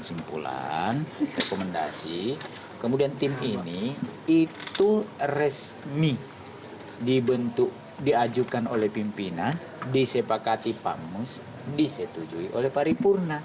kesimpulan rekomendasi kemudian tim ini itu resmi dibentuk diajukan oleh pimpinan disepakati pamus disetujui oleh paripurna